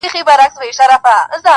دا ځالۍ ده دبازانو -